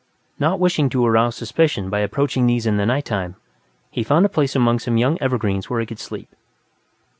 Not wishing to arouse suspicion by approaching these in the night time, he found a place among some young evergreens where he could sleep.